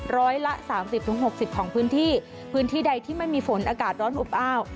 ร้อยละสามสิบถึงหกสิบของพื้นที่พื้นที่ใดที่ไม่มีฝนอากาศร้อนอบอ้าว